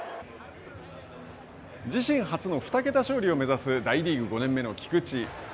自身初の２桁勝利を目指す大リーグ５年目の菊池。